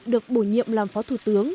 được bổ nhiệm làm phó thủ tướng